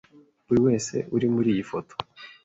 Buri wese uri muri iyi foto